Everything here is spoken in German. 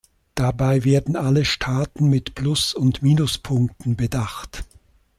Dabei werden alle Staaten mit Plus- und Minuspunkten bedacht.